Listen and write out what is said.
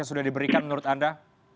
yang sudah diberikan menurut anda